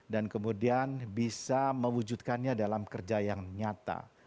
dan kemudian bisa mewujudkannya dalam kerja yang nyata